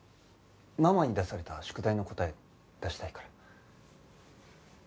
ママに出された宿題の答え出したいから。